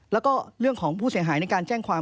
แล้วก็เรื่องของผู้เสียหายในการแจ้งความ